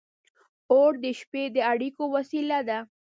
• اور د شپې د اړیکو وسیله وه.